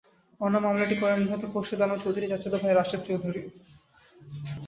অন্য মামলাটি করেন নিহত খোরশেদ আলম চৌধুরীর চাচাতো ভাই রাশেদ চৌধুরী।